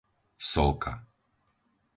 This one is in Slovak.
Solka